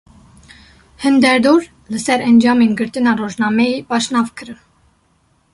Hin derdor, li ser encamên girtina rojnameyê baş nafikirin